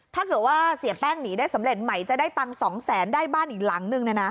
ถ้าเกิดว่าเสียแป้งหนีได้สำเร็จไหมจะได้ตังค์๒แสนได้บ้านอีกหลังนึง